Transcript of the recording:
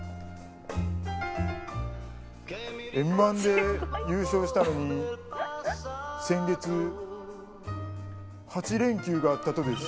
Ｍ−１で優勝したのに先月８連休があったとです